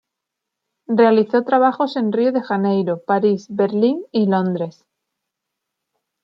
Realizó trabajos en Río de Janeiro, París, Berlín y Londres.